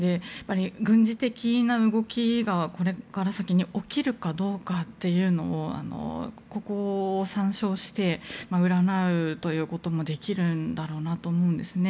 軍事的な動きがこれから先に起きるかどうかというのもここを参照して占うということもできるんだろうと思うんです。